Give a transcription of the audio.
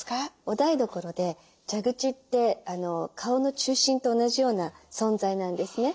お台所で蛇口って顔の中心と同じような存在なんですね。